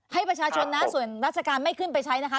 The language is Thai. ให้ประชาชนนะส่วนราชการไม่ขึ้นไปใช้นะคะ